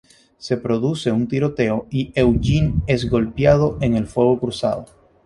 Se produce un tiroteo y Eugene es golpeado en el fuego cruzado.